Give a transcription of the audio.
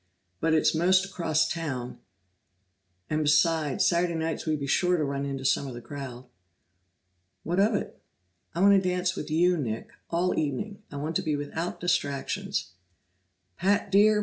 But it's 'most across town, and besides, Saturday nights we'd be sure to run into some of the crowd." "What of it?" "I want to dance with you, Nick all evening. I want to be without distractions." "Pat, dear!